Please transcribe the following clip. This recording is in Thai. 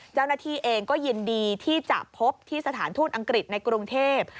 เจ้าหน้าที่เองก็ยินดีที่จะพบที่สถานทูตอังกฤษในกรุงเทพ